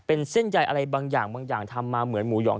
เป็นเส้นใยอะไรบางอย่างทำมาเหมือนหมูหยอง